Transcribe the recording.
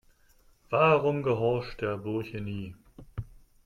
Warum gehorcht der Bursche nie?